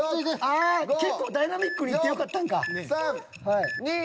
ああ結構ダイナミックにいってよかったんか。